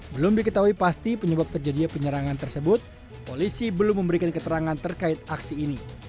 belum diketahui pasti penyebab terjadinya penyerangan tersebut polisi belum memberikan keterangan terkait aksi ini